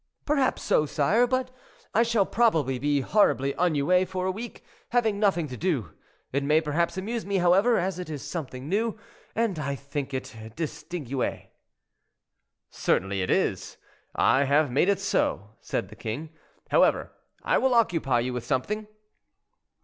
"Perhaps so, sire; but I shall probably be horribly ennuyé for a week, having nothing to do. It may perhaps amuse me, however, as it is something new, and I think it distingué." "Certainly it is, I have made it so," said the king. "However, I will occupy you with something."